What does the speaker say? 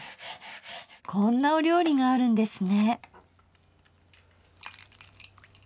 こんなお料理があるんですね。